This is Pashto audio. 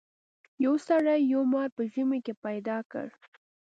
یو سړي یو مار په ژمي کې پیدا کړ.